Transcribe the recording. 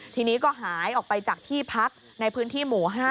ทีนี้ก็หายออกไปจากที่พักในพื้นที่หมู่๕